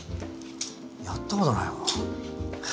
やったことないわ。